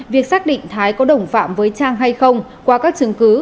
việc xác định thái có đồng phạm với trang hay không qua các chứng cứ